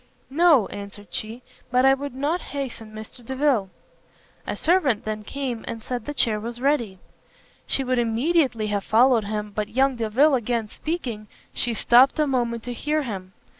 "No," answered she, "but I would not hasten Mr Delvile." A servant then came, and said the chair was ready. She would immediately have followed him, but young Delvile again speaking, she stopt a moment to hear him.